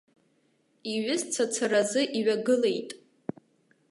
Иҩызцәа царазы иҩагылеит.